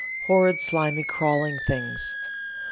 horrid, slimy, crawling things!"